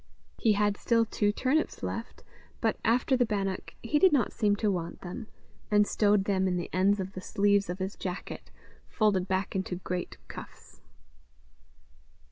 He had still two turnips left, but, after the bannock, he did not seem to want them, and stowed them in the ends of the sleeves of his jacket, folded back into great cuffs.